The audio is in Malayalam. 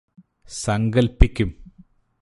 സങ്കല്പ്പിക്കും